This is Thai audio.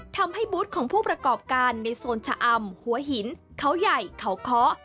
ทำให้บูธของผู้ประกอบการในโซนชะอำหัวหินเขาใหญ่เขาเคาะ